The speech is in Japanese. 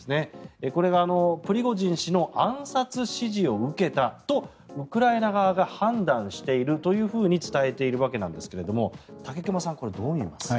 これがプリゴジン氏の暗殺指示を受けたとウクライナ側が判断していると伝えているわけですが武隈さん、これはどう見ます？